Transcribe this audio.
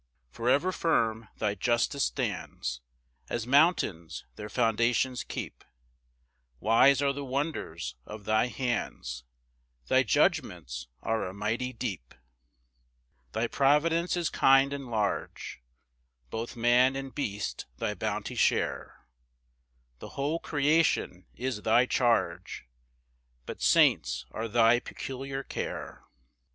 2 For ever firm thy justice stands, As mountains their foundations keep; Wise are the wonders of thy hands; Thy judgments are a mighty deep. 3 Thy providence is kind and large, Both man and beast thy bounty share; The whole creation is thy charge, But saints are thy peculiar care.